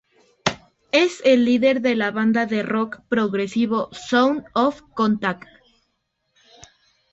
Es el líder de la banda de "rock progresivo" Sound of Contact.